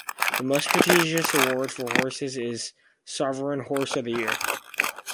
The most prestigious award for horses is Sovereign Horse of the Year.